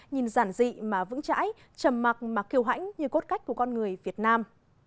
nhìn giản dị mà vững chãi trầm mặc mà kiều hãnh như cốt cách của con người việt nam